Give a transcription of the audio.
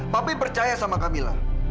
papi percaya sama kamila